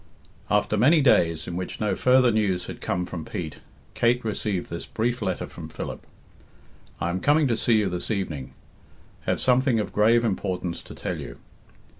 After many days, in which no further news had come from Pete, Kate received this brief letter from Philip: "I am coming to see you this evening. Have something of grave importance to tell you."